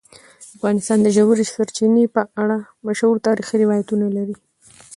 افغانستان د ژورې سرچینې په اړه مشهور تاریخی روایتونه لري.